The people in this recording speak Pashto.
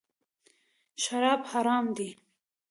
شراب حرام دي .